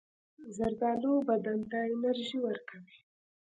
زردالو بدن ته انرژي ورکوي.